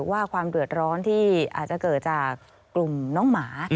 ว่าความเดือดร้อนที่อาจจะเกิดจากกลุ่มน้องหมา